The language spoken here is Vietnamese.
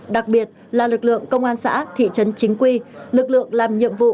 đặc biệt là lực lượng công an xã thị trấn chính quy lực lượng làm nhiệm vụ